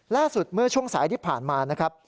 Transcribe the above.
ล่าสุดเมื่อช่วงสายที่ผ่านมา